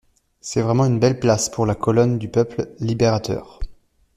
C'est vraiment une belle place pour la colonne du peuple libérateur!